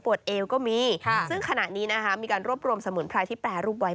เอวก็มีซึ่งขณะนี้นะคะมีการรวบรวมสมุนไพรที่แปรรูปไว้